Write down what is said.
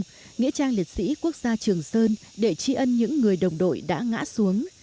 cầu treo đắc rông nghĩa trang liệt sĩ quốc gia trường sơn để tri ân những người đồng đội đã ngã xuống